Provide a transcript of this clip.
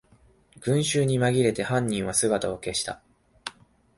群集にまぎれて犯人は姿を消した